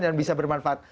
dan bisa bermanfaat